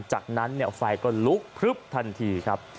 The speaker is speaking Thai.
จากนั้นไฟก็ลุกพลึบทันทีครับ